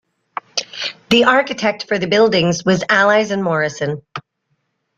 The architect for the buildings was Allies and Morrison.